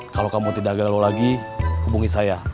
kalau kamu tidak galuh lagi hubungi saya